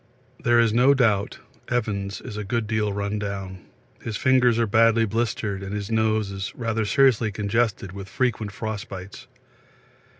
There is no doubt Evans is a good deal run down his fingers are badly blistered and his nose is rather seriously congested with frequent frost bites.